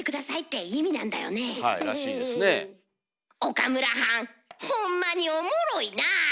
岡村はんほんまにおもろいなあ。